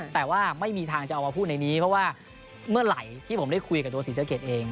แต่ว่าไม่มีทางจะเอามาพูดในนี้เพราะว่าเมื่อไหร่ที่ผมได้คุยกับตัวศรีสะเกดเอง